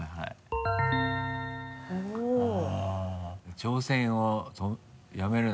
「挑戦を、止めるな」